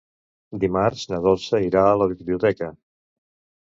Dimarts na Dolça irà a la biblioteca.